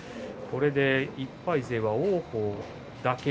これで１敗勢は王鵬だけ。